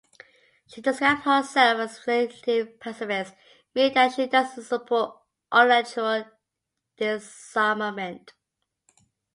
She describes herself as a "relative pacifist", meaning that she doesn't support unilateral disarmament.